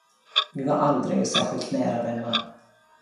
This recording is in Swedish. Vi var aldrig särskilt nära vänner.